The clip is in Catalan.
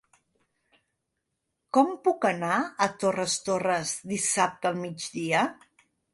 Com puc anar a Torres Torres dissabte al migdia?